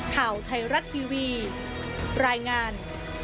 ข่าวไทยรัฐทีวีรายงาน